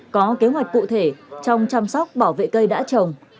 có kế hoạch cụ thể trong chăm sóc bảo vệ cây đã trồng